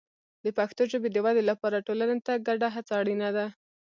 د پښتو ژبې د ودې لپاره ټولنې ته ګډه هڅه اړینه ده.